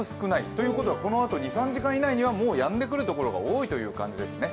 ということはこのあと、２３時間以内にはもうやんでくるところが多いという感じですね。